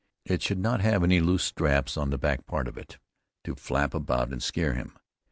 It should not have any loose straps on the back part of it to flap about and scare him.